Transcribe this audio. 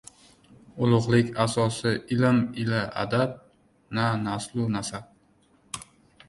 • Ulug‘lik asosi ilm ila adab, na naslu nasab.